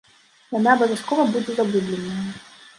Яна абавязкова будзе загубленая.